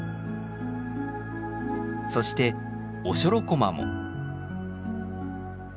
そしてオショロコマも。